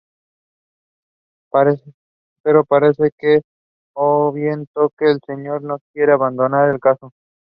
Pero parece que, o bien Toque el señor que no quiere abandonar el caso.